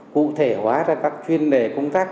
cụ thể hóa ra các chuyên đề công tác